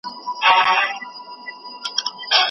فابريکې جوړې کړو.